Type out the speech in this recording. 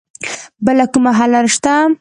بله کومه حل لاره شته